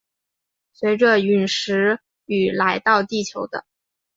随着殒石雨来到地球的。